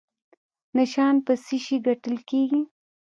نشان په څه شي ګټل کیږي؟